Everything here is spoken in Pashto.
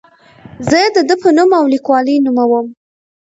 زه یې د ده په نوم او لیکلوالۍ نوموم.